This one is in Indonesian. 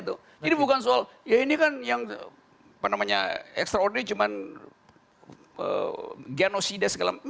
jadi bukan soal ya ini kan yang extraordinary cuma genosida segala macam